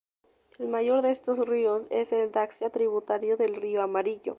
El mayor de estos ríos es el Daxia, tributario del río amarillo.